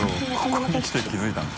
ここに来て気付いたんだ。